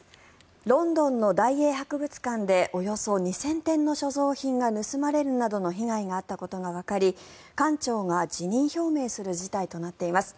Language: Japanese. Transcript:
ロンドンの大英博物館でおよそ２０００点の所蔵品が盗まれるなどの被害があったことがわかり館長が辞任表明する事態となっています。